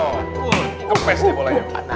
wuh kepes nih bolanya